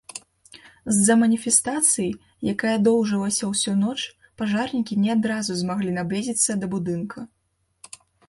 З-за маніфестацыі, якая доўжылася ўсю ноч, пажарнікі не адразу змаглі наблізіцца да будынка.